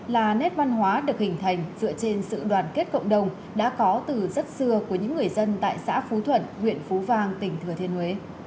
là nét văn hóa được hình thành dựa trên sự đoàn kết cộng đồng đã có từ rất xưa của những người dân tại xã phú thuận huyện phú vang tỉnh thừa thiên huế